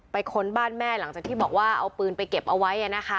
ค้นบ้านแม่หลังจากที่บอกว่าเอาปืนไปเก็บเอาไว้